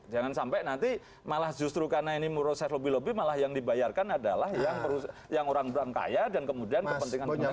jangan sampai nanti malah justru karena ini meroses lobby lobby malah yang dibayarkan adalah yang orang orang kaya dan kemudian kepentingan penyelenggaraan